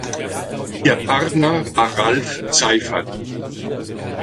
Ihr Partner war Ralf Seifert.